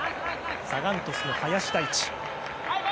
サガン鳥栖の林大地。